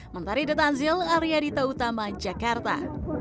mentari detanzil arya dita utama jakarta